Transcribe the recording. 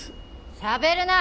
しゃべるな！